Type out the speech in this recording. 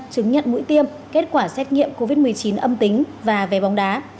chứng nhận mũi tiêm kết quả xét nghiệm covid một mươi chín âm tính và về bóng đá